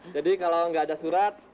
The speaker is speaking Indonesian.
jadi kalau nggak ada surat